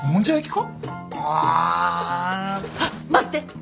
あ。あっ待って。